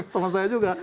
teman saya juga